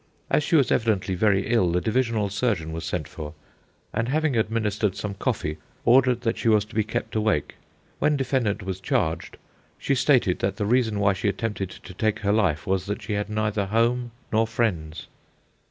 As she was evidently very ill, the divisional surgeon was sent for, and having administered some coffee, ordered that she was to be kept awake. When defendant was charged, she stated that the reason why she attempted to take her life was she had neither home nor friends.